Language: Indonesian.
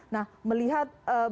nah melihat bagaimana saat ini